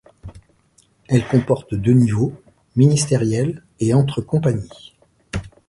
Elle comporte deux niveaux, ministériel et entre compagnies.